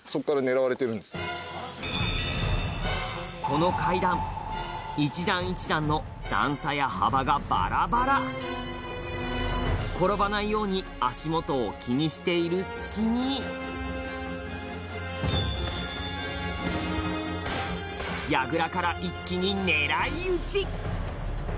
この階段一段一段の段差や幅がバラバラ転ばないように足元を気にしている隙に櫓から一気に狙い撃ち！